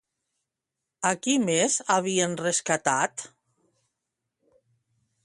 A qui més havien rescatat?